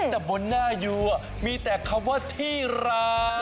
แต่บนหน้ายูมีแต่คำว่าที่รัก